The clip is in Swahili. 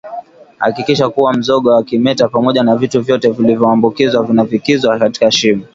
Hakikisha kuwa mzoga wa kimeta pamoja na vitu vyote vilivyoambukizwa vinavizikwa katika shimo